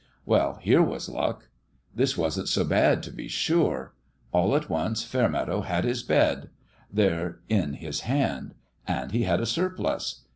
Well, here was luck ! This wasn't so bad, to be sure ! All at once Fairmeadow had his bed there in his hand. And he had a surplus.